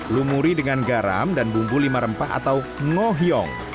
lumuri dengan garam dan bumbu lima rempah atau ngoyong